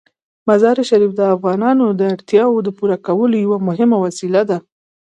مزارشریف د افغانانو د اړتیاوو د پوره کولو یوه مهمه وسیله ده.